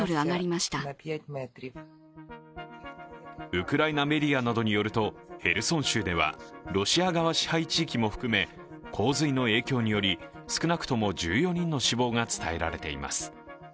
ウクライナメディアなどによると、ヘルソン州ではロシア側支配地域も含め洪水の影響により少なくとも１４人の死亡が伝えられています。